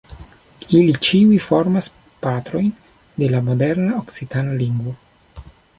Ili ĉiuj formas partojn de la moderna okcitana lingvo.